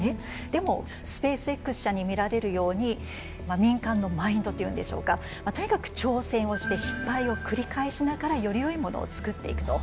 でもスペースＸ社に見られるように民間のマインドというんでしょうかとにかく挑戦をして失敗を繰り返しながらよりよいものを作っていくと。